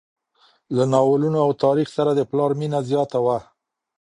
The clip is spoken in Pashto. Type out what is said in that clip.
له ناولونو او تاریخ سره د پلار مینه زیاته وه.